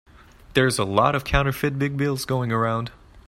There's a lot of counterfeit big bills going around.